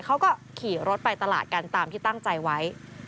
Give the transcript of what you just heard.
เขาก็ขี่รถไปตลาดกันตามที่ตั้งใจไว้